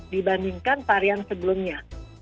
dibandingkan varian sebelumnya